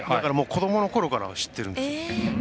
子どものころから知ってるんです。